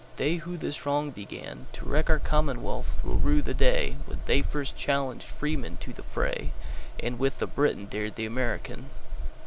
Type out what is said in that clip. They who this wrong beganTo wreck our commonwealth, will rue the dayWhen first they challenged freemen to the fray, And with the Briton dared the American.